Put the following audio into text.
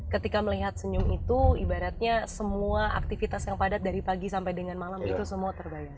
ketika melihat senyum itu ibaratnya semua aktivitas yang padat dari pagi sampai dengan malam itu semua terbayar